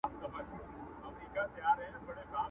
په ډکي هدیرې دي نن سبا په کرنتین کي٫